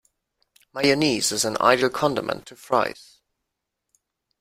Mayonnaise is an ideal condiment to Fries.